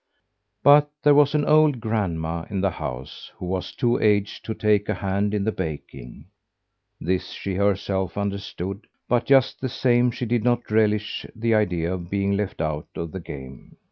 But there was an old grandma in the house who was too aged to take a hand in the baking; this she herself understood, but just the same she did not relish the idea of being left out of the game.